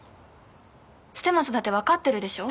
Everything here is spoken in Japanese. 捨松だってわかってるでしょ？